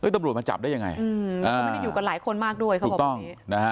ตบรวจมาจับได้ยังไงมันได้อยู่กับหลายคนมากด้วยครับถูกต้องนะฮะ